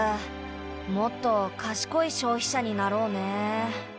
もっとかしこい消費者になろうね。